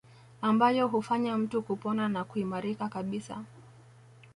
Ambayo hufanya mtu kupona na kuimarika kabisa